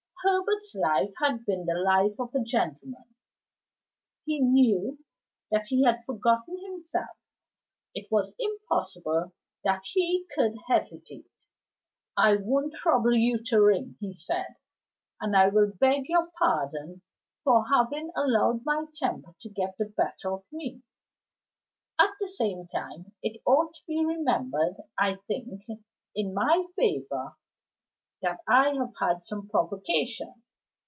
Herbert's life had been the life of a gentleman; he knew that he had forgotten himself; it was impossible that he could hesitate. "I won't trouble you to ring," he said; "and I will beg your pardon for having allowed my temper to get the better of me. At the same time it ought to be remembered, I think, in my favor, that I have had some provocation."